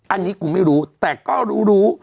อันนี้กูไม่รู้แต่ก็รู้รู้